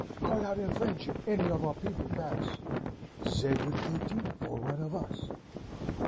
Call out in French if any of our people pass. They will take thee for one of us.